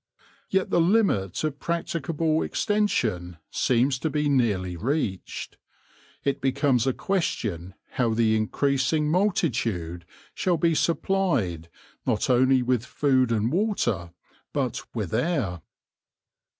Yet the limit of practicable extension seems to be nearly reached. It becomes a question how the increasing multitude shall be supplied not only with food and water but with air.